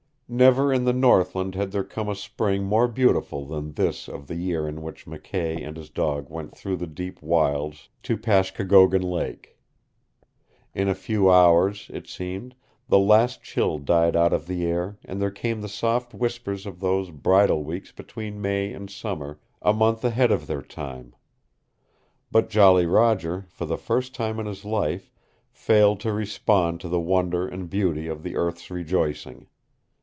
Never in the northland had there come a spring more beautiful than this of the year in which McKay and his dog went through the deep wilds to Pashkokogon Lake. In a few hours, it seemed, the last chill died out of the air and there came the soft whispers of those bridal weeks between May and Summer, a month ahead of their time. But Jolly Roger, for the first time in his life, failed to respond to the wonder and beauty of the earth's rejoicing.